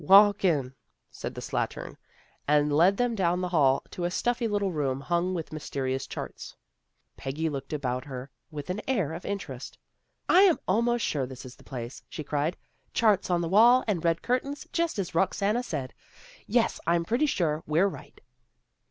" Walk in," said the slattern, and led them down the hall to a stuffy little room hung with mysterious charts. Peggy looked about her with an air of interest. " I am almost sure this is the place," she cried. " Charts on the wall and red curtains, just as Roxanna said. Yes, I'm pretty sure we're right."